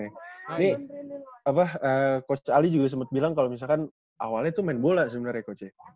ini coach ali juga sempat bilang kalau misalkan awalnya itu main bola sebenarnya coach ya